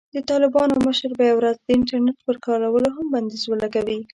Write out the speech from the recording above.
د طالبانو مشر به یوه ورځ د "انټرنېټ" پر کارولو هم بندیز ولګوي.